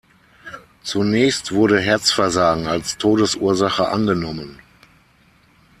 Zunächst wurde Herzversagen als Todesursache angenommen.